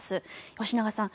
吉永さん